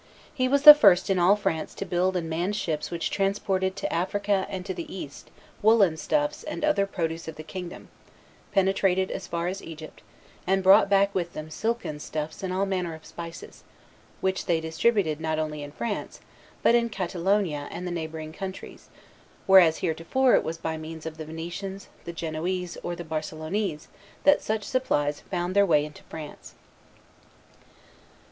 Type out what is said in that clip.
He was the first in all France to build and man ships which transported to Africa and the East woollen stuffs and other produce of the kingdom, penetrated as far as Egypt, and brought back with them silken stuffs and all manner of spices, which they distributed not only in France, but in Catalonia and the neighboring countries, whereas heretofore it was by means of the Venetians, the Genoese, or the Barcelonese that such supplies found their way into France."